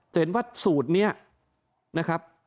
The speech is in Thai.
เห็นว่าสูตรนี้นะครับ